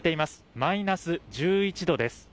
マイナス１１度です。